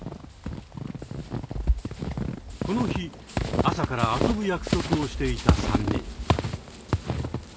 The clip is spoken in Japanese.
この日朝から遊ぶ約束をしていた３人。